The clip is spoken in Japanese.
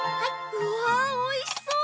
うわあおいしそう。